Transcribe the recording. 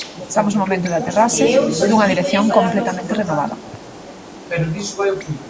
Estamos no momento de aterraxe dunha dirección completamente renovada.